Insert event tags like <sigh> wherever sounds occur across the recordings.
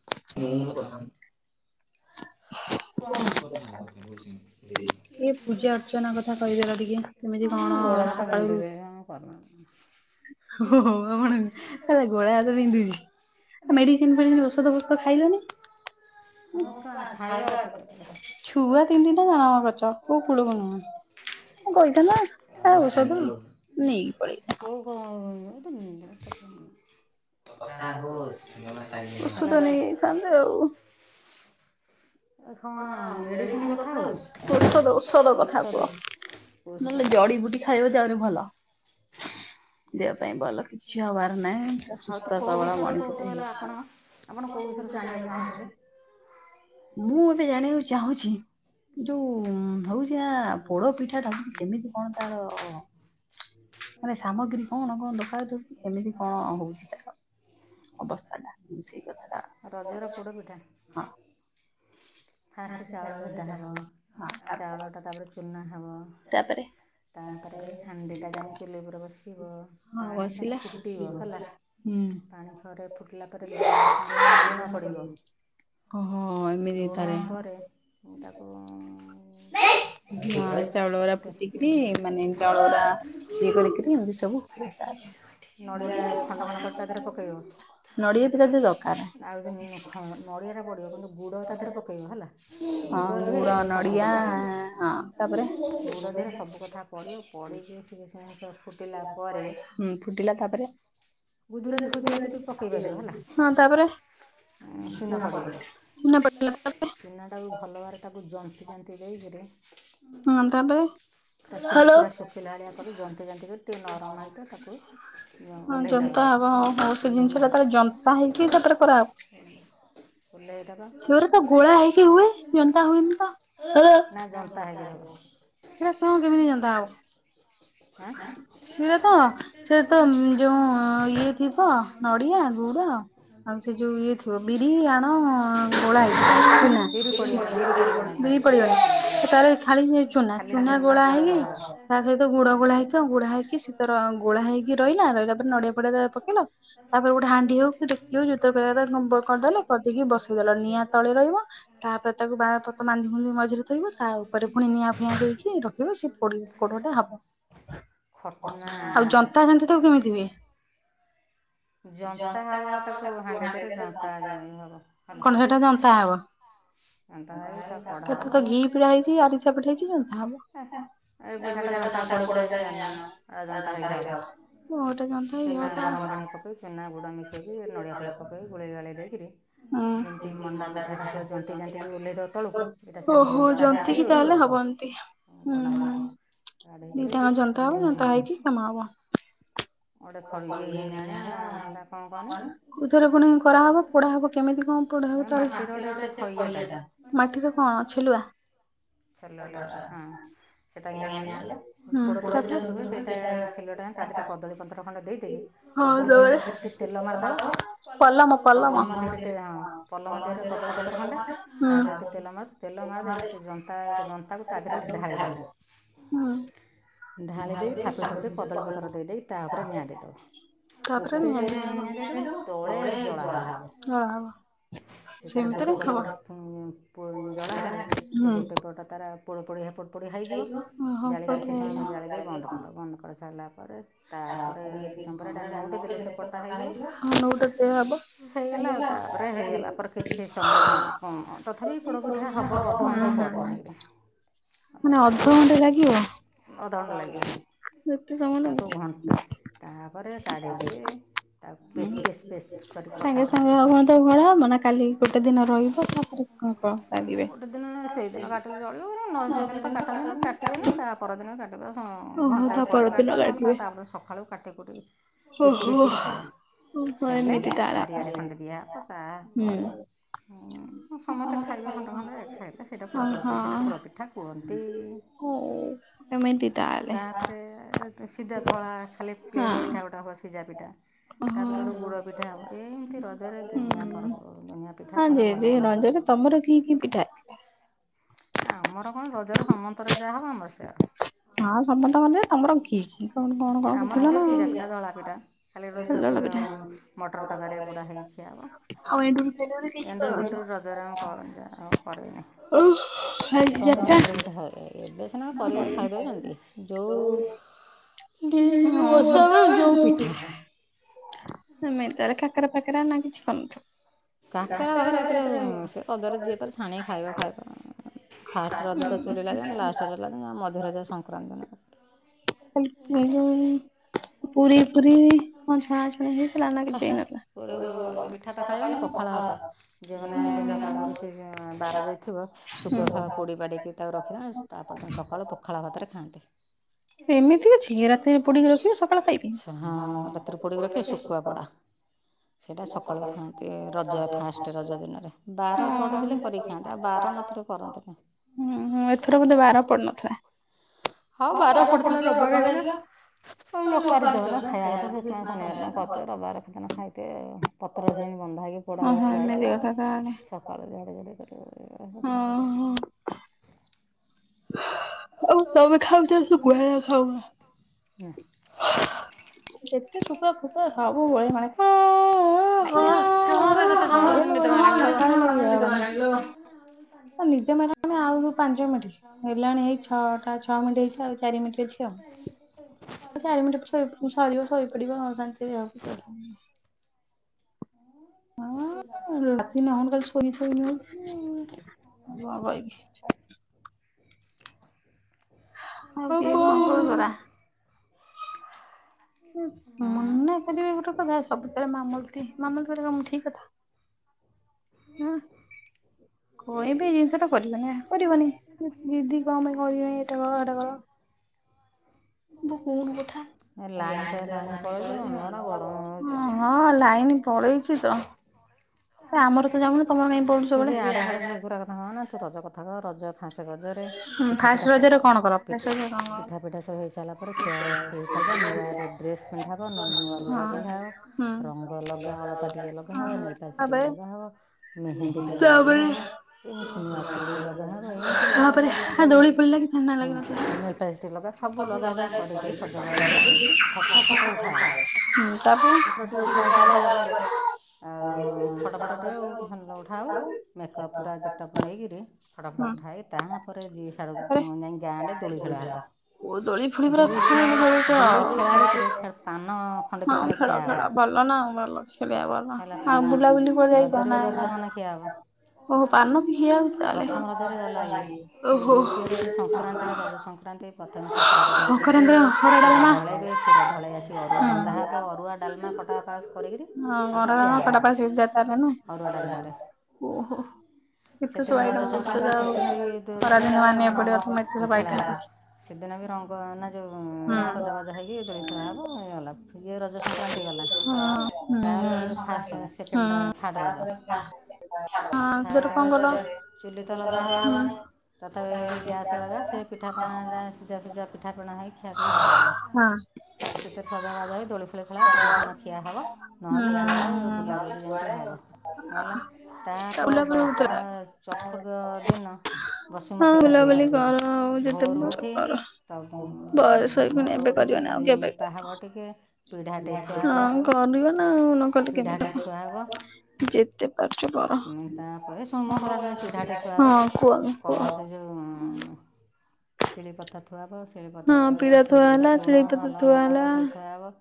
<unintelligible> କଣ କଥା ହେବା କୁ କହୁଛନ୍ତି। <unintelligible> ଆ ମୋ ଗୋଡ ହାତ ବିନ୍ଧୁଚି ଯେ। <unintelligible> ଓ ହୋ ଆପଣଙ୍କ ଗୋଡ ହାତ ବିନ୍ଧୁଚି। ମେଡିସିନ ଫେଡିସିନି ଔଷ ଫୋଷଦ ଖାଇଲନି। ଛୁଆ ତିନି ତିନି ଟା ଜନମ କରିଚ କୋଉ କୁଳକୁ ନୁହଁ। <unintelligible> <unintelligible> ହାଲୋ। ଔଷଧ ଔଷଧ କଥା କୁହ। ନହେଲେ ଜଡିିବୁଟି ଖାଇବ ଯଦି ଆହୁରି ଭଲ। <inaudible> ହଉ ତୁ କୋଉ ବିଷୟରେ କହୁଚ କହିଲେ ଆପଣ। ଆପଣ କୋଉ ବିଷୟରେ ଜାଣିବାକୁ ଚାହୁଁଛନ୍ତି? ମୁଁ ଏବେ ଜାଣେଇକୁ ଚାହୁଁଛି ଯୋଉ ହଉଚି ଆ ପୋଡ ପିଠା ଟା କେମିତି କଣ ତାର ମାନେ ସାମଗ୍ରୀ କଣ କଣ ଦରକାର ଦଉଛି କେମିତି କଣ ହଉଛି ତାର? ଅବସ୍ଥା ଟା। ସେଇ କଥା ଟା। ରଜର ପୋଡ଼ପିଠା। ଫାଷ୍ଟ ଚାଉଳ ଭେଦା ହେବ। ଚାଉଳଟା ତାପରେ ଚୂନା ହେବ। ତାପରେ ତାପରେ ହାଣ୍ଡି ଟା ଯାଇ ଚୁଲି ଉପରେ ବସିବ। ପାଣି ଟା ଫୁଟିବ ହେଲା। ପାଣି ପରେ ଫୁଟିଲା ପରେ ଲୁଣ ଲୁଣ ପଡ଼ିବ। ଓହୋ ଏମିତି ତାହାଲେ। ପରେ ତାକୁ ଚାଉଳ ଗୁରା ଫୁଟିକିରି ମାନେ ଚାଉଳରା ଇଏ କରିକିରି ଏମିତି ସବୁ ହୁଏ ତାହେଲେ। ନଡ଼ିଆ ଖଣ୍ଡକଣ୍ଡ କରି ତା ଦେହରେ ପକେଇବ। ଆଉ ହଁ ନଡ଼ିଆଟା ପଡ଼ିବ। କିନ୍ତୁ ଗୁଡ଼ ତା ଦେହ ପକେଇ ଇବ ହେଲା। ଗୁଡ଼ ଦିହରେ ସବୁ କଥା ପଡ଼େ। ଗୁଡ଼ ଦେହରେ ସବୁ କଥା ପଡ଼଼ିବ ପଡ଼ିକି <unintelligible> ଫୁଟିଲା ପରେ ଫୁଟିଲା ତାପରେ ହଁ ତାପରେ ଚୁନା ପଡିବ। ଚୁନା ପକେଇଲ ତାପରେ ଭଲ ଭାବରେ ତାକୁ ଜନ୍ତି ଜାନ୍ତି ଦେଇକିରି ତାପରେ ପୁରା ଖିଲାଳିଆ କରି ଜନ୍ତି ଯାନ୍ତି କରି ଟିକିଏ ନରମ ହୋଇଥିବ ତାକୁ ଓହ୍ଲାଇ ହଉ ସେ ଜିନିଷଟା ତାର ଜନ୍ତା ହେଇକି ତାପରେ କରୁଚନ୍ତି? ଓହ୍ଲେଇଦବା ନା ଜନ୍ତା ହେଇକି ର ସେଟା କଣ କେମିତି ଯନ୍ତା ହେବ? ଆଁ? ସେଇଆତ ସେ ଉଁ ଯୋଉ ଇଏ ଥିବ ନଡିଆ ଗୁଡ ଆଉ ସେ ଯୋଉ ଇଏ ଥିବ ବିରି ଆଣ ଗୋଳା ହେଇ ଚିହ୍ନା ବିରି ପଡ଼ିବନି ତାହେଲେ ଖାଳି ଚୁନା ଚୁନା ଗୋଳା ହେଇକି ତା ସହିତ ଗୁଡ ଗୋଳା ଗୋ ହେଇକି ଶୀ ଗୋ ହେଇକି ରହିଲା ତାପରେ <unintelligible> ପଡିଆ ପଡିଆ ତା ପକେଇଲ ତାପରେ ଗୋଟେ ହାଣ୍ଡି ହୋଉ କି ଡେକଚି ହୋଉ <unintelligible> କରିଦେଲେ କରିଦେଇକି ବସେଇଦେଲ ନିଆଁ ତଳେ ରହିବ ତାପରେ ତାକୁ ବାହା ପ ମାନ୍ଧି ଫୁନ୍ଧି ମଝିରେ ଥୋଇବ। ତା ଉପରେ ପୁଣି ନିଆଁ ଫିଆଁ ଦେଇକି ରଖିବ ସେ ପୋଡ ପୋଡ <unintelligible> ଆଉ ଜନ୍ତା ଜନ୍ତି ଟା କେମିତି ହୁଏ? କଣ ସେଟା ଜନ୍ତା ହବ? କେତେ ତ ଘି ପିଠା ହେଇଚି ଆରିସା ପିଠା ହେଇଚି <unintelligible> ଏଇ ପିଠା ଯନ୍ତା ପୋଡ ଜାଣିନାହାନ୍ତି ଜନ୍ତା ହେଇକି ରହିବ, ଚୁନା ଗରମ ପାଣି ପକେଇି ଚିନା ଗୁଡା ମିଶେଇକି ନଡିଆ ଫଡା ପକେଇକି ଗୋଲେଇ ଗୁଳା ଦେଇକି ଯେମିତି ମଣ୍ଡା ପିଠାଟା ହୁଏ ଜନ୍ତି ଯାନ୍ତିକି ଓହ୍ଲାଇ ଦେବ ତଳକୁ, ଏଇଟା ସେମିତି ଜନ୍ତା ଖାଇକିରି ତଳ ଓ <inaudible> ଗଢ଼ା ହବ। ଦିଟା ଯାକ ଜନ୍ତା ହବ ଜନ୍ତା ହେଇକି ବନା ହବ। କୋଉଥରେ ପୁଣି କରାହବ ପୋଡ଼ା ହବ? କେମିତି କଣ ପୋଡ଼ା ହବ ମାଟିରେ କଣ ଅଛି <unintelligible> ଛେଲଟା ହଁ ସେଟା <unintelligible> ଆଣିଲେ ପୋଡ ପିଠା ଯୋଉଥିରେ ହୁଏ ସେଇଟା ତା <unintelligible> କଦଳୀ ପତ୍ର ଖଣ୍ଡ ଦେଇକିରୀ କଦଳୀ ପତ୍ରରେ ଟିକେ ତେଲ ମାରିଦବ, ପଲମ ପଲମ ପଲମ ଦେହରେ କଦଳୀପତ୍ରର ଖଣ୍ଡେ ତାପରେ ଟିକେ ତେଲ ମାର ତେଲ ମାରିଦକି ସେ ଜନ୍ତା ଜନ୍ତାକୁ ତା ଦେହରେ ଢାଳି ଦେବା ଢାଳି ଦେଇକି ଥାପ ଥାପ ଦେଇ କଦଳୀପତ୍ର ଦେଇ ଦେଇ ପୁରା ନିଆଁରେ। ଓପେରେ ନିଆଁ ଦେଇଦବ, ତଳେ ଜଳା ହବ। ସେ ତାର ଗୋଟେ ପଟ ଜଳା ହେଲେ ସେ ଗୋଟେ ପଟ ତାର ପୋଡ଼ପୋଡ଼ି ହେ ପୋଡ଼ ପୋଡ଼ି ହୋଇଯିବ ଜାଳି କିଛି ସମୟ ଜାଳି ଦେଇ ବନ୍ଦ କରିଦେବ ବନ୍ଦ କରିସାରିଲା ପରେ ତା ପରେ କିଛି ସମୟରେ ଏଇଟା ନୋଉଟେଇ ଦେଲେ ସେପଟଟା ହୋଇଯିବ। ହେଇଗଲା ଆଉ ତାପରେ ହେଇଗଲା ପରେ କିଛି ସମୟ କଣ ତଥାପି ପୋଡ଼ପିଠା ହେବ ଅଧଘଣ୍ଟେ ପରେ। ଆଜ୍ଞା। ଅଧ ଲାଗିବ, ଅଧଘଣ୍ଟା ଲାଗିବ ତାକୁ ଘଣ ଟ ତାପରେ କାଢ଼େଇକରି ତାକୁ ପସ୍ ପେସ୍ କରି ସାଙ୍ଗେ ସାଙ୍ଗେ ହୁଅନ୍ତୁ ଭଳା ମାନେ କାଲି ଗୋଟେ ଦିନ ରହିବ ତାପରେ କଣ କଣ କରିବେ। ଜଳିବନ ନ ସେଦିନ ତ କାଟନ୍ତିନି କଟିବେନି। ତା ପରଦିନ କାଟିବା ଘଣ୍ଟାଏ ପରେ କାଟ ନହେଲେ ତାପରେ ସକାଳୁ କାଟ କାଟି କୁଟି ପିସ୍ ପିସ୍ ହବ ହେଲେ ବାରିଆଡ଼େ ଖଣ୍ଡେ ଦିଆହବ ତାପରେ ସମସ୍ତେ ଖାଇବେ ଖଣ୍ଡେ ଖଣ୍ଡେ ଖାଇଲେ ସେଇଟା ସେଇଟା ପୋଡ଼ପିଠା କୁହନ୍ତି। ତାପରେ ସିଧା ଧଳା ଖା ଲେ ପ୍ଲେନ୍ ପିଠା ଗୋଟା ହବ ସିଝା ପିଠା। ତାପରେ ଗୋଟେ ଗୁଡ଼ ପିଠା ହେବ ଏମିତି ରଜରେ ଦୁନିଆ ପର୍ବ ଦନିଆ ପିଠା ପଣା ଭଲ ମ ହବ। ତମର କି କି ପିଠା ଆମର କଣ ରଜରେ ସମନ୍ତର ଯାହା ହବ ଆମର ସେଆ। ହଁ ସମସ୍ତେ ମ ତମର କି କି କଣ କଣ କଣ କହୁଥିଲ ନା? ତାପିଟା। ଖାଲି ରୁ ଥ ମଟର ତରୀ ବୁଡ଼ା ହେଇଛି ଆଉ। ଏଣ୍ଡରୁ ଫେଣ୍ଣ୍ଡରୁ ରଜରେ ଆମେ ଆଉ କରରୋଇନି। ଅଷ୍ଟମରେ ଏଣ୍ଡୁରି ପିଠା ହୁଏ ଏବେ ସିନା କର ଖାଇଦଉଛନ୍ତି। ଯୋଉ ହଁ ହଁ ଯଉ ଓସା ବେଳେ ଯୋଉ ପିଠା। ସେମିତି ତାରେ କାକରା ଫାକରା ନା କିଛି କର୍ନଥିବ। କାକରା ଭଖରେ ଏଥିରେ ସେ ପଦାରେ ଯିଏ ତାଥରେ ଛାଣିକ ଖାଇବା ଖାଇବା। ଫାଷ୍ଟ ରଜ ତ ଚୁଲି ଲାଗେନ ଲାଷ୍ଟରେ ଲାଗେନ ମଧ୍ୟରେଜ ସଂକ୍ରାନ୍ତି ଦିନ। ଆ ମିଲୁରେ। ପୁରୀ ଫୁରୀ କଣ ଛଣାଛଣି ହେଇଥିଲା ନା କିଛି ହେଇନଥିଲା? ପୁରି ଫୁରି କରିଛି ମିଠା ତ ଖାଇବନି ପଖାଳ ହଁତ ଯେଉ ମାନେ ଦିନକ ଆଗରୁ ସେ ବାର ଦେଇଥିବ ଶୁଖୁଆ ପୁଡି ବାଡ଼କି ତାକୁ ରଖିଥାନ୍ତି, ତାପରେ ତାଙ୍କୁ ସକାଳୁ ପଖାଳ ଭାତରେ ଖାଆନ୍ତି।। ହ ରାତିରେ ପୋଡିକି ରଖେ ଶୁଖୁଆ ପୋଡ଼ା। ସେଇଟା ସକାଳୁ ଖାଆନ୍ତି ର ଜ ଫାଷ୍ଟ ରଜ ଦିନରେ ବାର ପଡ଼ିଥିଲେ କରି ଖାଆନ୍ତି ଆଉ ବାର ନଥିଲେ କରନ୍ତି ନି। ହୁଁ ହୁଁ ଏଥର ବୋଧେ ବାର ପଡ଼ି ନଥିଲା? ହଁ ବାର ପଡ଼ିଥିଲା ରବି ଵାରେ ହେଇଥିଲା। ହ ଲୋକମାନ ଯଉମାନେ ଖାଇବା କଥା ସେ ଶନିବାର ଦିନ କରିଥିବେ ରବିବାରିନ ଖାଇଥିବେ ପତ୍ର ସେ ବନ୍ଧା ହେଇକି? ପୋଡ଼ା ହୋଇକି ଥୁଆହୁଇଥିବ ସକାଳୁ ଝାଡ଼ିଝୁଡ଼ି କରିବା କରିକି ଖାଇବା। ଆଉ ତମେ ଖାଉଛ ଶୁଖୁଆ ନା ଖାଉନ? ହ ହଁ। <inaudible> ଓହୋ <unintelligible> ନିଦ ମାଇଲାଣି ଲୋ। ନିଦ ମଲାଣି ଆଉ ପାଞ୍ଚ ମିନିଟ ହେଲାଣି ଏଇ ଛଅଟା ଛଅ ମିନିଟ୍ ହେଇଛି ଆଉ ଚାରି ମିନିଟ୍ ଅଇଛି ଆଉ। ଚାରି ମିନିଟ୍ ସରିବ ଶୋଇ ପଡିିବ ଶାନ୍ତି ରେ ଆଉ। ହଁ ରାତି ନହେଲେ ଶୋଇ ଶୋଇ ନଉଚି। ହଁ ବଇଛି। ଆଉ କଣ କହୁଥିଲା? ମନେ କରିବି ଗୋଟେ କଥା ସବୁଥରେ ମାମଲତି ମାମଲତିରେ କଣ ଠିକ କଥା। ହଁ। କହିବି ଏଇ ଜିନିଷ ଟା କରିବନି କରିବନି ଜିଦି କଣ ପାଇଁ କରିବ ଏଟା କର ହେଟା କର। ବହୁତ କଥା ହଁ। <unintelligible> ହଁ ନାଇନ୍ ପଳେଇଛି ତ। ଆମର ଯାଉନ ତମର କାଇଁ ପଡୁଛ ସବୁବେଳେ? ହଁ ନା ତୁ ରଜ କଥା କହ ରଜ ଫା ରଜରେ ପିଠା ଫିଟା ପିଠା ପିଠା ସବୁ ହେଇସାରିଲା ପରେ ଖିଆ ହବ। ଏହିଇସା ଆଇଲେ ନୂଆ ଡ୍ରେସ ପିନ୍ଧା ହେବ, ନ ନୂଆ ଲୁଗା ପିନ୍ଧା ହେବ, ରଙ୍ଗ ଲଗା ଅଳତା ଟିକେ ଲଗା ହେବ। ନେ ଲିଷ୍ଟିକି ଲଗାହେବ, ମେହେନ୍ଦୀ ଟିକେ ଲଗାହବ, ନୂଆ ଚୁଡ଼ି ଲଗାହେବ, ଏମିତି ଲଗା <unintelligible> ନେଲପସୀ ଟି ଲଗା ସବୁ ଲଗା ହେଲା ପରେ ସ ରଜ ହେଇକିରି ଛୋଟ ଫଟୋ ଉଠା ହେବ ଫଟୋଟି ଉଠା ସାରିଲା ପରେ ଆଉ ଫଟ ଫଟ ଟେ ଉଠାହବ ମେକପ୍ ଟା ଗେଟପ ନେଇକରି ଫଟାଫଟ ଉଠା ହେ ତାହାଁ ପରେ ଯିଏ ଶାଳକୁ ଯାଇ ଗାଁରେ ଦୋଳି ଖେଳା ହେବ। ଦୋଳି ଖେଳାହବ ଦୋଳି ଖେଳା ଭିତରେ ସେ ପାନ ଖଣ୍ଡେ ଦି ଖଣ୍ଡ ଖିଆ ହେବ। <unintelligible> ଆଉ ବୁଲାବୁଲି କୁଆଡେ ଯାଇଛ ନାଇଁ ନା ଓ ପାନ ବି ଖିଆ ହଉଛି ତାହେଲେ? ଓହୋ। <unintelligible> ଏବେ କ୍ଷୀର ଢଳାଇବେ କ୍ଷୀର ଢଳେଇ ଆସିକି ଅରୁଆ ରନ୍ଧା ହେବ ଅରୁଆ, ଡାଲମା, ଖଟା, ପାସ୍ କରିକିରି ଆକୁ ଖିଆ ହବ। <unintelligible> ତା ମାନେ ଓହୋ ଏତେ ସବୁ ଆଇଟମ ସେ ଯାହା ହଉ ଖରାଦିନ ମାନିବାକୁ ପଡିବ ତମେ ଏତେ ସବୁ ଆଇଟମ କରୁ ସେଦିନ ବି ରଙ୍ଗ ନା ଯଉଁ ସଜବାଜ ହେଇକି ଦୋଳି ଖେଳା ହବ ହେଇ ଗଲା। ଇଏ ରଜ ସଂକ୍ରାନ୍ତି ଗଲା ତାପରେ first second third Raja. Third ରଜରେ ଚୁଲି ତ ଲଗା ହବନି। ତଥାପି ସେଇ ଗ୍ୟାସରେ ହେଲା ସେ ପିଠାପଣା ଯାହା ସିଝା ଫିଜା ପିଠାପଣା ହେଇ ଖିଆଖୁଇ ହବ। ସେଥିରେ ସଜବାଜ ହୋଇ ଦୋଳି ଫୋଳି ଖେଳା ପାନ ଫାନ ଖିଆ ହବ ନହେଲେ କୁଆଡେ ବୁଲାବୁଲି ଯାଇଁକି ହବ ନହେଲେ ତାପର ତା ଚତୁର୍ଥ ଦିନ। ବସୁମତୀ ଗାଧୁଆ ଭୋରୁ ଉଠି। ତ ଉଁ ମୋର ଗୋଟେ କେ ବୋଲ ଲେପା ହବ ଟିକେ। ହଁ କରିବ ନା ଆଉ ନ ପୀଡ଼ା ଟେ ଥୁଆ ହେବ। ମୁଁ ତାପରେ ଶୁଣ ମୋ କଥା ଶୁଣ ପିଢାଟେ ଥୁଆହବ କଳସ ଯ ଉଁ। ଶିରିପତା ଥୁଆହବ ଶିଳିପତା ଉପରେ ସୋରିଷ ଲୁଣ ଭଲ ମନ୍ଦ ଏରାସବୁ ଥୁଆହବ।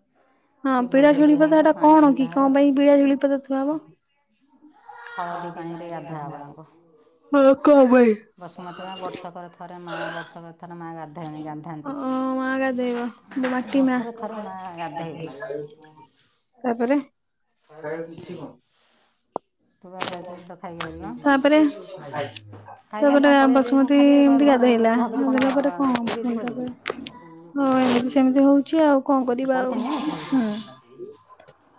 ହଁ ପିଳା ଶିଳିପତା ଏଟା କଣ କି କଣ ପାଇଁ ପିଳା ଶିଳିପତା ଥୁଆହବ? ହଁ କଣ ପାଇଁ? ବର୍ଷକରେ ଥରେ ମା ବର୍ଷକ ଥରେ ମା ଗାଧା ଗାଧାନ୍ତି। ଅଁ ଗାଧେଇବ ଯୋଉ ମାଟି ମା। ତାପରେ। ତାପରେ ତାପରେ ଆ ବସୁମତୀ ଏମିତି ଗାଧେଇଲା। ଗାଧେଇଲା ପରେ କଣ ହବ ପୁଣି ତା ପରେ? ଓ ଏମିତି ସେମିତି ହଉଛି ଆଉ କଣ କରିବା ଆଉ ହୁଁ।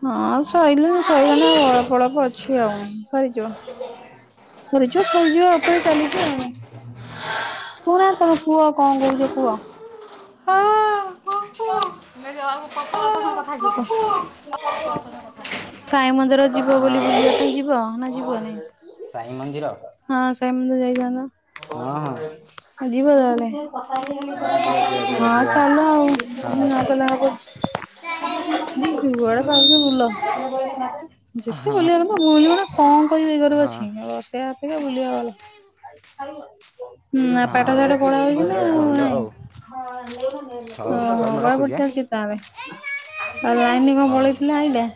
ହଁ ସଇଲାଣିି ସଇଲାଣି ଆଉ ଅଳପ ଅଳପ ଅଛି ଆଉ ସରିଯିବ। ସରିଯିବା ସରିଯିବା ଉପରେ ଚାଲିଛି ଆଉ ଆପଣ କଣ କୁହ କଣ କହୁଚ କୁହ। ହଁ ହଁ କୁହ। ଅଳ୍ପ ଅଳ୍ପ ସମୟ କଥା ହେଇଚୁ ତୁ। ସାଇ ମନ୍ଦିର ଯିବ ବୁଲି ବୁଲି ବାକୁ ଯିବ ନା ଯିବ ନାଇଁ? ହଁ ସେମିତି ଦେଇଦିଅନ୍ତ। ଆ ଯିବ ତାହେଲେ ହଁ ଚାଲ ଆଉ ତମେ ନଗଲେ ହବ। ଯୁଆଡେ ପାରୁଚ ବୁଲ ଯେତେ ବୁଲିବା କଥା ବୁଲୁନ କ କରିବ କି ଘରେ ବସିକି ଆଉ ବସିବା ଅପେକ୍ଷା ବୁଲିବା ଭଲ। ହୁଁ ଆଉ ପାଠ ସାଠ ପଢାହଉଛି ନା ହଉ ନାଇଁ। ଓହୋ ପଢାପଢି ଚାଲିଛି ତାହେଲେ। ଆଉ ଲାଇନ କଣ ପଳେଇଥିଲା ଆଇଲା?